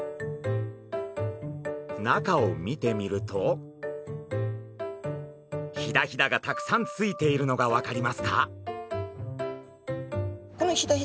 中を見てみるとヒダヒダがたくさんついているのが分かりますか？